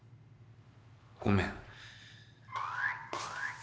ごめん。